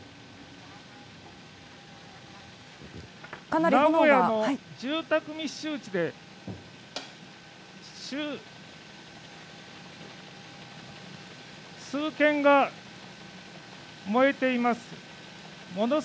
名古屋の住宅密集地で数軒が燃えています。